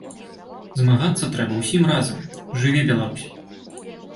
Змагацца трэба ўсім разам!